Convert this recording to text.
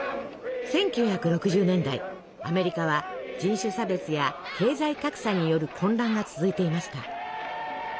１９６０年代アメリカは人種差別や経済格差による混乱が続いていました。